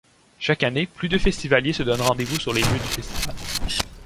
Chaque année, plus de festivaliers se donnent rendez-vous sur les lieux du festival.